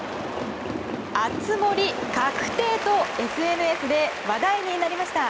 熱盛確定とＳＮＳで話題になりました。